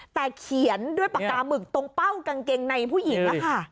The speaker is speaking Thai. แต่เขียนด้วยปากกาหมึกตรงเป้ากางเกงในผู้หญิง